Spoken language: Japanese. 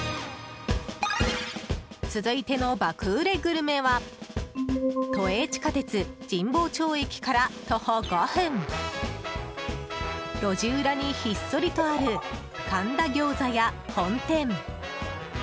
続いての爆売れグルメは都営地下鉄神保町駅から徒歩５分路地裏にひっそりとある神田餃子屋本店。